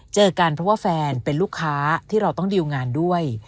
เจอกันเพราะว่าแฟนเป็นลูกค้าที่เราต้องดิวงานด้วย